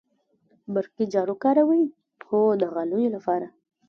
برقی جارو کاروئ؟ هو، د غالیو لپاره